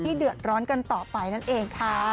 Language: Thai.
เดือดร้อนกันต่อไปนั่นเองค่ะ